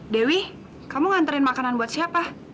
dewi kamu nganterin makanan buat siapa